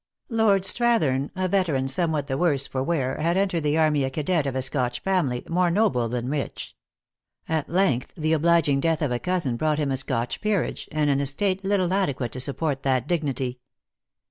Lord Strathern, a veteran somewhat the worse for wear, had entered the army a cadet of a Scotch family, more noble than rich. At length, the obliging death of a cousin brought him a Scotch peerage, and an estate little adequate to support that dignity.